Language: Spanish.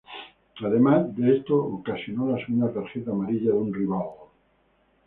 Además de esto ocasionó la segunda tarjeta amarilla de un rival.